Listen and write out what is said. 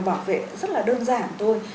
hàng rào bảo vệ rất là đơn giản thôi